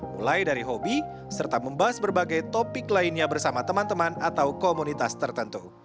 mulai dari hobi serta membahas berbagai topik lainnya bersama teman teman atau komunitas tertentu